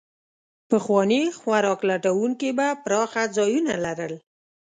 پخواني خوراک لټونکي به پراخه ځایونه لرل.